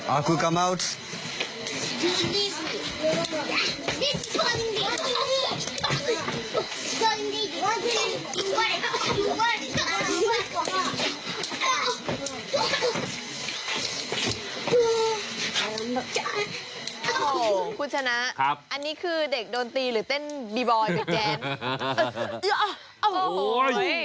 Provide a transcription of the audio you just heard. โอ้โหคุณชนะอันนี้คือเด็กโดนตีหรือเต้นบีบอยกับแจ๊ส